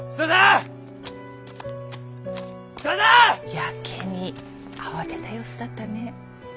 やけに慌てた様子だったね。